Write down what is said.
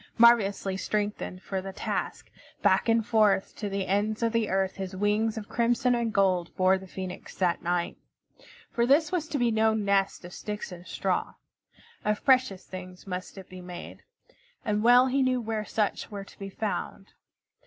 Marvelously strengthened for the task, back and forth to the ends of the earth his wings of crimson and gold bore the Phoenix that night. For this was to be no nest of sticks and straw. Of precious things must it be made, and well he knew where such were to be found.